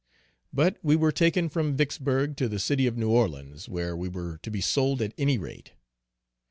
But we were taken from Vicksburgh, to the city of New Orleans, were we were to be sold at any rate.